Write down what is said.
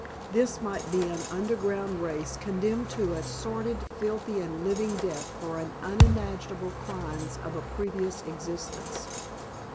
This might be an underground race condemned to a sordid filthy and living death for unimaginable crimes of a previous existence.